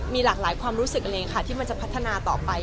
มีหลากหลายความรู้สึกเลยค่ะที่มันจะพัฒนาต่อไป